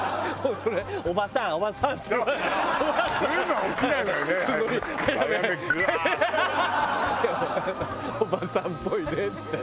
おばさんっぽいですって。